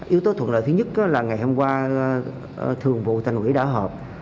yếu tố thuận lợi thứ nhất là ngày hôm qua thường vụ tành quỹ đã hợp